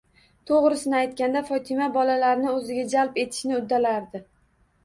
To'g'risini aytganda, Fotima bolalarni o'ziga jalb etishni uddalardi.